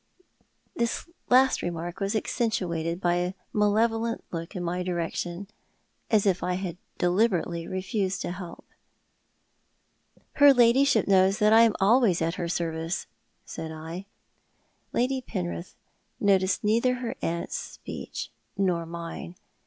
This last remark was accentuated by a malevolent look in my direction, as if I had deliberately refused to help. "Her ladyship knows that I am always at her service," said I. Lady Penrith noticed neither her aunt's speech nor mine.